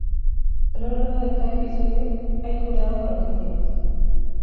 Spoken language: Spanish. A lo largo de cada episodio, hay jurados rotativos